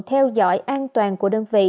theo dõi an toàn của đơn vị